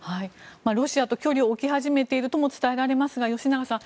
ロシアと距離を置き始めているとも伝えられますが吉永さん